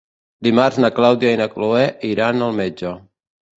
Dimarts na Clàudia i na Cloè iran al metge.